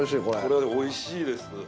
これおいしいです。